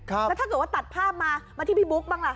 แล้วถ้าเกิดว่าตัดภาพมามาที่พี่บุ๊คบ้างล่ะ